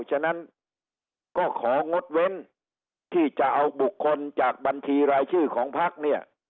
ฉะนั้นก็ของงดเว้นที่จะเอาบุคคลจากบัญชีรายชื่อของพักเนี่ย